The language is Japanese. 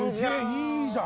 いいじゃん